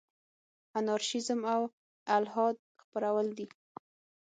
انارشیزم او الحاد خپرول دي.